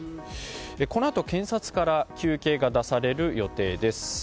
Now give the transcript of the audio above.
このあと検察から求刑が出される予定です。